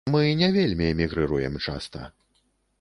Мы не вельмі эмігрыруем часта.